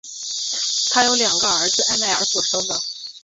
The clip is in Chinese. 她有两个儿子艾麦尔所生的。